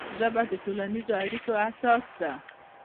ژبه د ټولنیزو اړیکو اساس دی